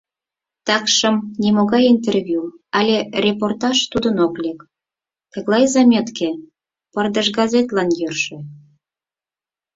Такшым нимогай «интервью» але «репортаж» тудын ок лек — тыглай заметке, пырдыжгазетлан йӧршӧ.